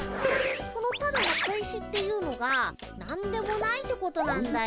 そのただの小石っていうのが何でもないってことなんだよ。